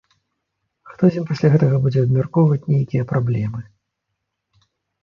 Хто з ім пасля гэтага будзе абмяркоўваць нейкія праблемы?